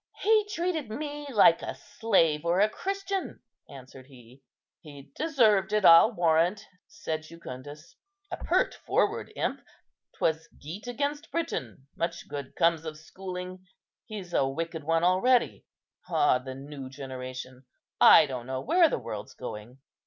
"He treated me like a slave or a Christian," answered he. "He deserved it, I'll warrant," said Jucundus; "a pert, forward imp. 'Twas Gete against Briton. Much good comes of schooling! He's a wicked one already. Ah, the new generation! I don't know where the world's going."